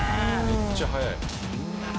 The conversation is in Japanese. めっちゃ速い。